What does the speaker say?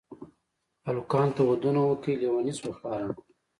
الکانو ته ودونه وکئ لېوني شوه خواران.